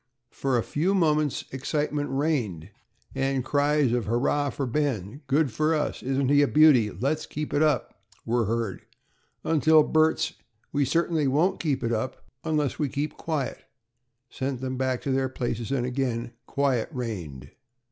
For a few moments excitement reigned, and cries of "Hurrah for Ben," "good for us," "isn't he a beauty?" "let's keep it up," were heard, until Bert's "We certainly won't keep it up unless we keep quiet," sent them back to their places and again quiet reigned.